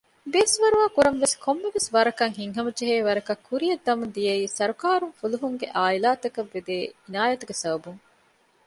ބޭސްފަރުވާ ކުރުންވެސް ކޮންމެވެސް ވަރަކަށް ހިތްހަމަޖެހޭވަރަކަށް ކުރިއަށް ދަމުން ދިޔައީ ސަރުކާރުން ފުލުހުންގެ އާއިލާތަކަށް ވެދޭ އިނާޔަތުގެ ސަބަބުން